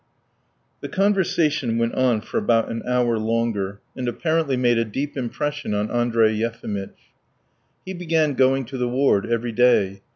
XI The conversation went on for about an hour longer, and apparently made a deep impression on Andrey Yefimitch. He began going to the ward every day.